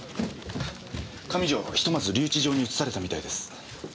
上条ひとまず留置場に移されたみたいです。